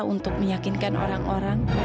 untuk meyakinkan orang orang